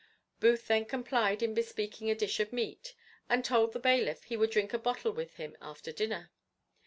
Booth then complied in bespeaking a dish of meat, and told the bailiff he would drink a bottle with him after dinner.